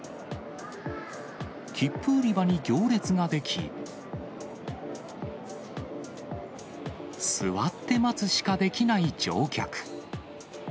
切符売り場に行列が出来、座って待つしかできない乗客。